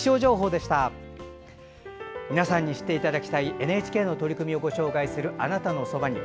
では皆さんに知っていただきたいＮＨＫの取り組みをご紹介する「あなたのそばに」。